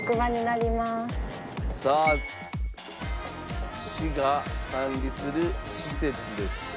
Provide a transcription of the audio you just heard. さあ市が管理する施設です。